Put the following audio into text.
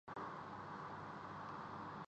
جان بوجھ کر death rate بڑھایا جا رہا ہے